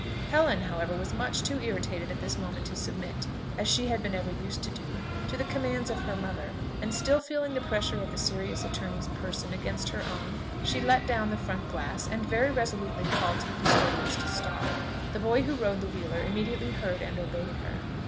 Helen, however, was too much irritated at this moment to submit, as she had been ever used to do, to the commands of her mother; and still feeling the pressure of the serious attorney's person against her own, she let down the front glass, and very resolutely called to the postillions to stop. The boy who rode the wheeler immediately heard and obeyed her.